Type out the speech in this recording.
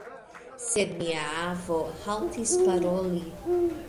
Sed mia avo haltis paroli.